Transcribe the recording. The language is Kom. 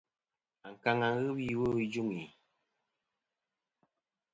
Ankaŋa wi iwo ijuŋi.